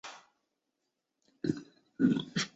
迥澜风雨桥的历史年代为明。